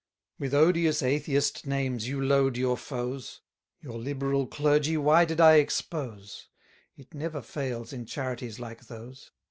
250 With odious atheist names you load your foes; Your liberal clergy why did I expose? It never fails in charities like those.